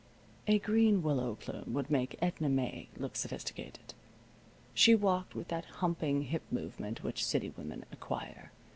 A green willow plume would make Edna May look sophisticated. She walked with that humping hip movement which city women acquire.